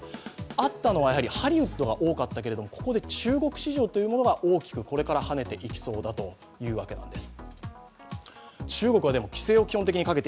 あったのはやはりハリウッドが多かったけれどもここで中国市場というものが大きくこれからはねていきそうというわけなんです。